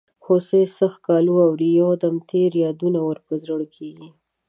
هوسۍ څه ښکالو اوري یو دم تېر یادونه ور په زړه کیږي.